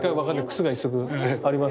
靴が１足あります。